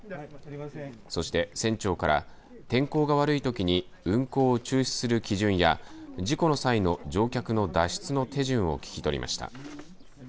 そして、船長から天候が悪いときに運航を中止する基準や事故の際の乗客の脱出の手順を聞き取りました。